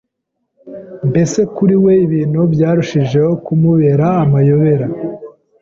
mbese kuri we ibintu byarushijeho kumubera amayobera